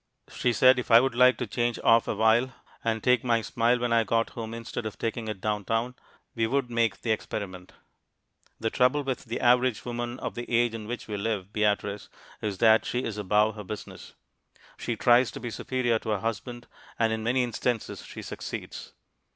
She said if I would like to change off awhile, and take my smile when I got home instead of taking it down town, we would make the experiment. The trouble with the average woman of the age in which we live, Beatrice, is that she is above her business. She tries to be superior to her husband, and in many instances she succeeds.